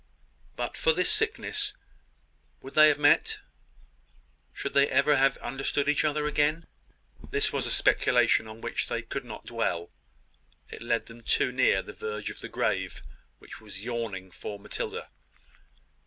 But for this sickness would they have met should they ever have understood each other again? This was a speculation on which they could not dwell it led them too near the verge of the grave which was yawning for Matilda.